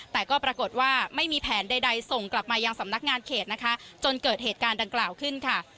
แต่ก็ปรากฏว่าไม่มีแผนใดส่งกลับมายังสำนักงานเขตนะคะจนเกิดเหตุการณ์ดังกล่าวขึ้นค่ะ